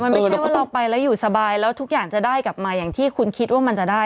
มันไม่ใช่ว่าเราไปแล้วอยู่สบายแล้วทุกอย่างจะได้กลับมาอย่างที่คุณคิดว่ามันจะได้